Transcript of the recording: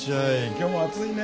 今日も暑いね。